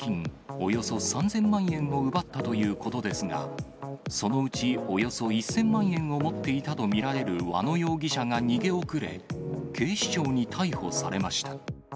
およそ３０００万円を奪ったということですが、そのうちおよそ１０００万円を持っていたと見られる和野容疑者が逃げ遅れ、警視庁に逮捕されました。